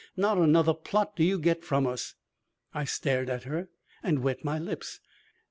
Not another plot do you get from us!" I stared at her and wet my lips.